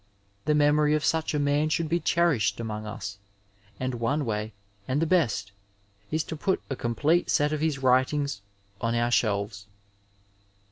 The memory of such a man should be cherished among us, and one way — and the best — is to put a com plete set of his writings on our shelves.